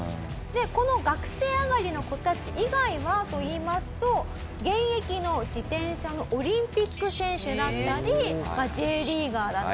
この学生上がりの子たち以外はといいますと現役の自転車のオリンピック選手だったりＪリーガーだったりボディービルダー。